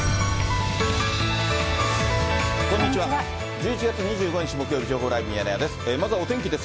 １１月２５日木曜日、情報ライブミヤネ屋です。